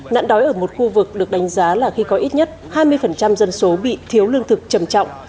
nạn đói ở một khu vực được đánh giá là khi có ít nhất hai mươi dân số bị thiếu lương thực trầm trọng